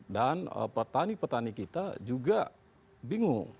dan petani petani kita juga bingung